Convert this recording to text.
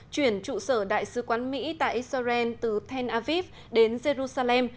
chuyển trụ sở đại sứ quán mỹ tại israel từ tel aviv đến jerusalem